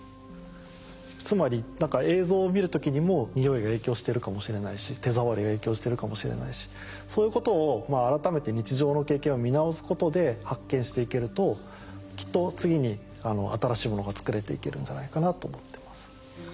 つまり映像を見る時にも匂いが影響してるかもしれないし手触りが影響してるかもしれないしそういうことを改めて日常の経験を見直すことで発見していけるときっと次に新しいものが作れていけるんじゃないかなと思ってます。